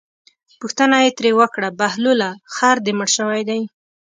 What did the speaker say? پوښتنه یې ترې وکړه بهلوله خر دې مړ شوی دی.